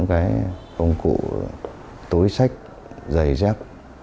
công cụ túi sách giày dép